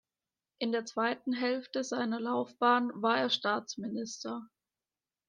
In der zweiten Hälfte seiner Laufbahn war er Staatsminister.